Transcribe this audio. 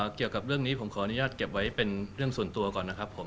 เกี่ยวกับเรื่องนี้ผมขออนุญาตเก็บไว้เป็นเรื่องส่วนตัวก่อนนะครับผม